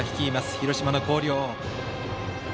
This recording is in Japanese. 広島の広陵。